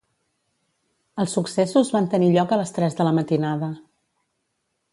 Els successos van tenir lloc a les tres de la matinada.